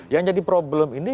yang jadi problem ini